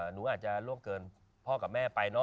หนูอาจจะล่วงเกินพ่อกับแม่ไปเนอ